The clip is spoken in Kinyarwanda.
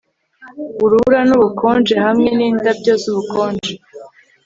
Urubura nubukonje hamwe nindabyo zubukonje